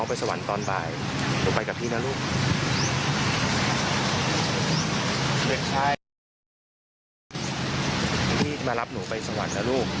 พี่มารับหนูไปสวรรค์นะลูก